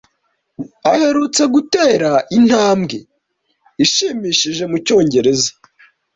Aherutse gutera intambwe ishimishije mu Cyongereza.